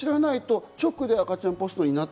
直で赤ちゃんポストになる。